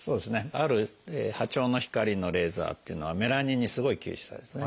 ある波長の光のレーザーっていうのはメラニンにすごい吸収されるんですね。